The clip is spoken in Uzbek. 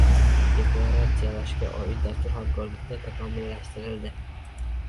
Deklaratsiyalashga oid dastur hamkorlikda takomillashtiriladi